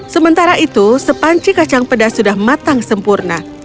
sementara itu sepanci kacang pedas sudah matang sempurna